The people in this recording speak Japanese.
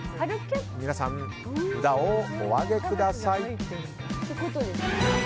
皆さん、札をお挙げください。